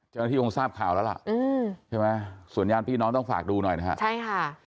เจอหน้าที่โฮงทราบข่าวแล้วล่ะสวนยานพี่น้องต้องฝากดูหน่อยนะคะ